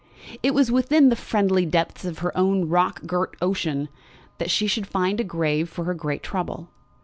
It was within the "friendly depths of her own rock girt ocean" that she should find a grave for her great trouble.